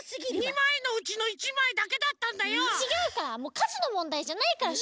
２まいのうちの１まいだけだったんだよ！ちがうから。